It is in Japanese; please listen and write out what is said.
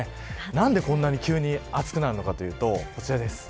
なんでこんなに急に暑くなるのかというとこちらです。